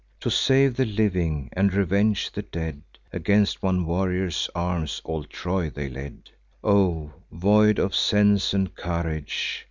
To save the living, and revenge the dead, Against one warrior's arms all Troy they led. "O, void of sense and courage!"